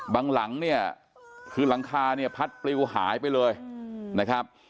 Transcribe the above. บางหลังคือหลังคาพัดเปลี่ยวหายไปเลยนะครับ